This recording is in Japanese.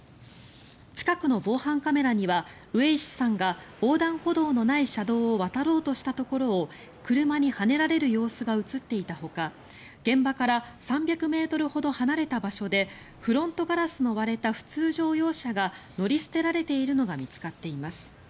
近くの防犯カメラには上石さんが横断歩道のない車道を渡ろうとしたところを車にはねられる様子が映っていたほか現場から３００ｍほど離れた場所でフロントガラスの割れた普通乗用車が乗り捨てられているのが見つかっています。